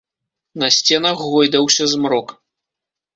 На сценах гойдаўся змрок.